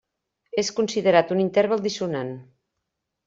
És considerat un interval dissonant.